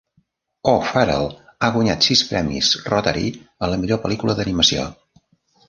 O'Farrell ha guanyat sis premis Rotary a la millor pel·lícula d"animació.